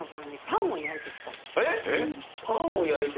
パンを焼いてきたの。